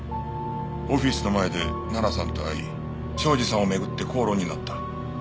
オフィスの前で奈々さんと会い庄司さんを巡って口論になった。